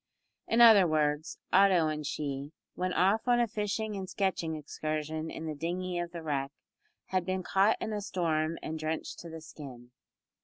In other words, Otto and she, when off on a fishing and sketching excursion in the dinghy of the wreck, had been caught in a storm and drenched to the skin.